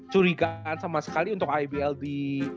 suriga sama sekali untuk ibl di